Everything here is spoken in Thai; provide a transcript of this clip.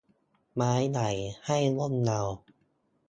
ไม้ใหญ่ให้ร่มเงา